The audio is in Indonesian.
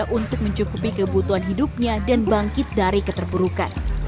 untuk mencukupi kebutuhan hidupnya dan bangkit dari keterburukan